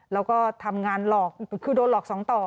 แล้วก็ทำงานหลอกคือโดนหลอกสองต่อ